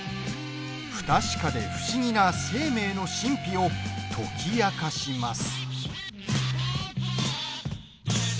不確かで不思議な生命の神秘を解き明かします。